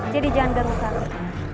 jadi jangan garut takut